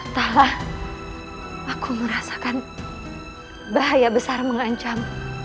tahlah aku merasakan bahaya besar mengancam